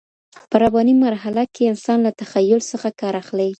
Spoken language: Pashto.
په رباني مرحله کي انسان له تخيل څخه کار اخلي.